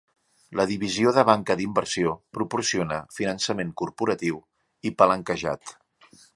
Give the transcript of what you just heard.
La divisió de banca d'inversió proporciona finançament corporatiu i palanquejat.